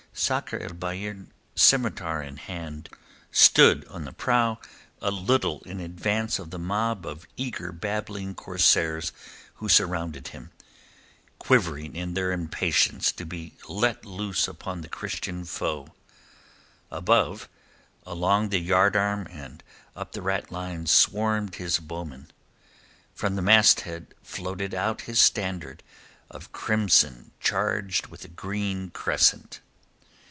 Sakr el Bahr, scimitar in hand, stood on the prow, a little in advance of the mob of eager babbling corsairs who surrounded him, quivering in their impatience to be let loose upon the Christian foe. Above, along the yardarm and up the ratlines swarmed his bowmen. From the mast head floated out his standard, of crimson charged with a green crescent.